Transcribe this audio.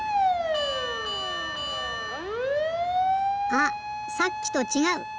あっさっきとちがう。